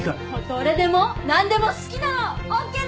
どれでも何でも好きなのＯＫです！